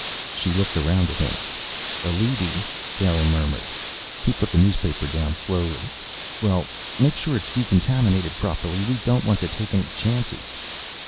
She looked around at him. "A leady," Taylor murmured. He put the newspaper slowly down. "Well, make sure it's decontaminated properly. We don't want to take any chances."